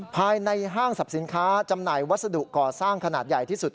ภายในห้างสรรพสินค้าจำหน่ายวัสดุก่อสร้างขนาดใหญ่ที่สุด